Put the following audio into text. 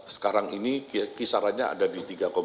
sekarang ini kisarannya ada di tiga empat